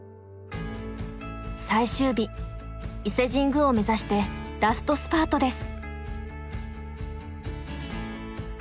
最終日伊勢神宮を目指してラストスパートです。